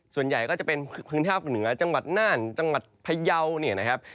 ส่วนใหญ่ก็จะเป็นพื้นที่ภาคเหนือจังหวัดน่านจังหวัดพยาวเนี่ยนะครับ